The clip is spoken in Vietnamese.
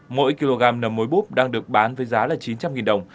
mỗi kg nầm mối búp đang được bán với giá là chín trăm linh đồng